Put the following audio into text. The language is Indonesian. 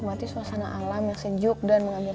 umur juga macam kita minum